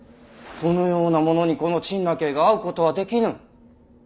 そのような者にこの陳和が会うことはできぬ。